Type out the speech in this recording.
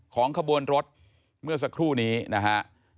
ขบวนรถเมื่อสักครู่นี้นะฮะ